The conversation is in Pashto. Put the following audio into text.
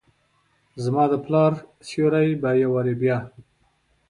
زما دپلا ر سیوري به یووارې بیا،